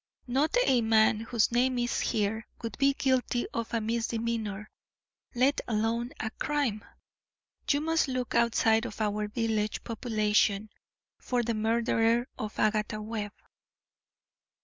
"Not a man whose name is here would be guilty of a misdemeanour, let alone a crime. You must look outside of our village population for the murderer of Agatha Webb."